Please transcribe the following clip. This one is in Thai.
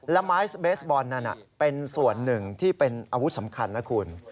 และไม้เบสบอลนั้นเป็นส่วนหนึ่งที่เป็นอาวุธสำคัญนะคุณ